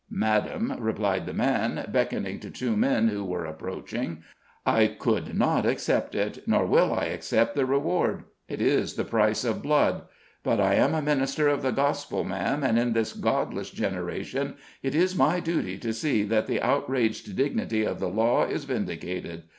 "Madame," replied the man, beckoning to two men who were approaching, "I could not accept it; nor will I accept the reward. It is the price of blood. But I am a minister of the gospel, ma'am, and in this godless generation it is my duty to see that the outraged dignity of the law is vindicated.